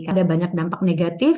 ada banyak dampak negatif